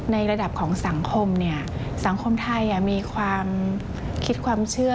ในระดับของสังคมเนี่ยสังคมสังคมไทยมีความคิดความเชื่อ